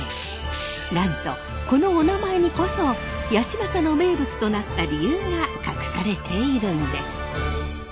なんとこのおなまえにこそ八街の名物となった理由が隠されているんです。